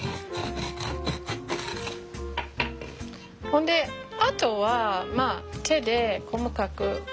ほんであとはまあ手で細かく入れたらいい。